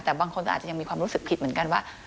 แต่บางคนก็อาจจะยังมีความรู้สึกผิดเหมือนกันว่า